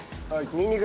にんにく。